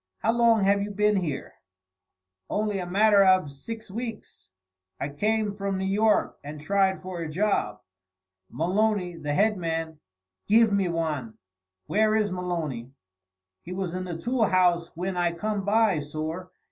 "How long have you been here?" "Only a matter av six weeks. I came from New York and tried for a job. Maloney, the head man, giv me wan." "Where is Maloney?" "He was in the tool house whin I come by, sorr.